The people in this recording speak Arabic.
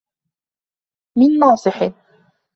مِنْ نَاصِحٍ